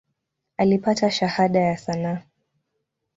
Alipata Shahada ya sanaa.